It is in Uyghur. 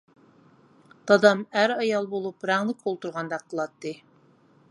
دادام ئەر-ئايال بولۇپ رەڭلىك ئولتۇرغاندەك قىلاتتى.